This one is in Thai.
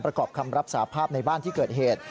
ประกอบคำรับสาภาพในบ้านที่เกิดเหตุ